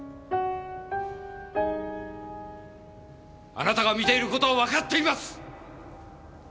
あなたが見ている事はわかっています！